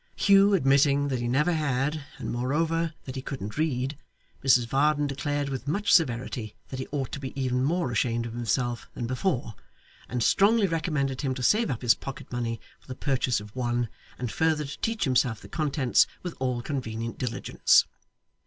Hugh admitting that he never had, and moreover that he couldn't read, Mrs Varden declared with much severity, that he ought to be even more ashamed of himself than before, and strongly recommended him to save up his pocket money for the purchase of one, and further to teach himself the contents with all convenient diligence.